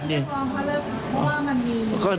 เพราะว่ามันมี